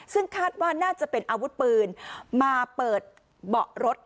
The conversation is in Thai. ซึ่งคาดว่าน่าจะเป็นอาวุธปืนมาเปิดเบาะรถ